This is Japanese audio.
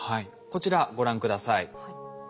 こちらご覧下さい。